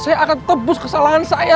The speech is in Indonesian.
saya akan tebus kesalahan saya